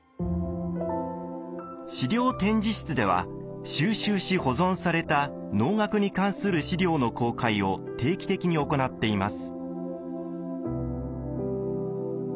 資料展示室では収集し保存された能楽に関する資料の公開を定期的に行っています。